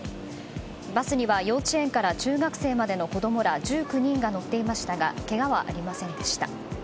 バスには幼稚園から中学生までの子供ら１９人が乗っていましたがけがはありませんでした。